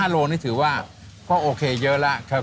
โลนี่ถือว่าก็โอเคเยอะแล้ว